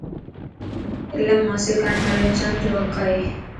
علم حاصل ڪرڻ ھر انسان جو حق ائي